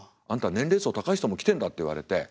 「あんた年齢層高い人も来てんだ」って言われて